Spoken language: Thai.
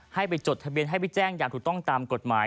ให้ไปจดทะเบียนให้ไปแจ้งอย่างถูกต้องตามกฎหมาย